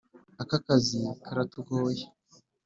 aka kazi karatugoye.